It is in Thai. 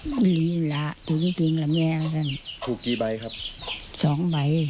เงิน๑๒หลัง